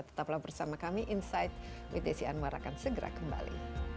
tetaplah bersama kami insight with desi anwar akan segera kembali